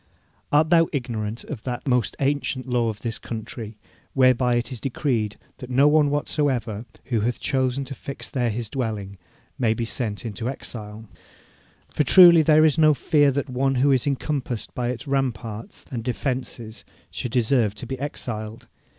Art thou ignorant of that most ancient law of this thy country, whereby it is decreed that no one whatsoever, who hath chosen to fix there his dwelling, may be sent into exile? For truly there is no fear that one who is encompassed by its ramparts and defences should deserve to be exiled.